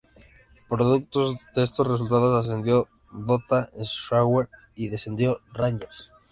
Producto de estos resultados, ascendió Lota Schwager y descendió Rangers.